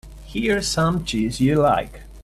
Here's some cheese you like.